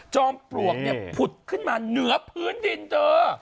ปลวกเนี่ยผุดขึ้นมาเหนือพื้นดินเธอ